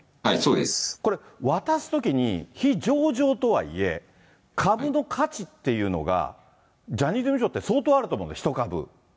これ、渡すときに、非上場とはいえ、株の価値っていうのが、ジャニーズ事務所って、相当あると思うんです、１株。